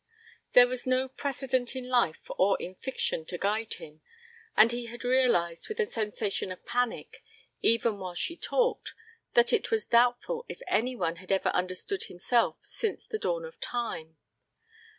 There was no precedent in life or in fiction to guide him, and he had realized with a sensation of panic even while she talked that it was doubtful if any one had ever understood himself since the dawn of time.